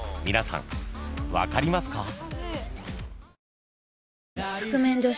［皆さん分かりますか？］